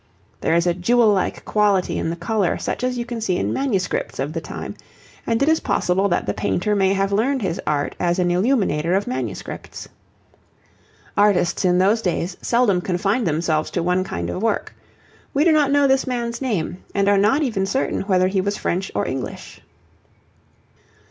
There is a jewel like quality in the colour such as you can see in manuscripts of the time, and it is possible that the painter may have learned his art as an illuminator of manuscripts. Artists in those days seldom confined themselves to one kind of work. We do not know this man's name, and are not even certain whether he was French or English.